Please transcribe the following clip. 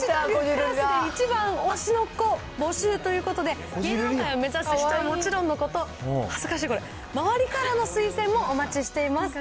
クラスで一番推しの子募集ということで、芸能界を目指す人はもちろんのこと、恥ずかしい、これ、周りからの推薦もお待ちしています。